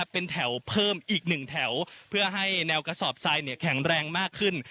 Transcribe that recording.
เป็นแถวเพิ่มอีก๑แถวเพื่อให้แนวกระสอบทรายแข็งแรงมากขึ้น